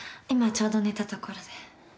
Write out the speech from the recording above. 今ちょうど寝たところで。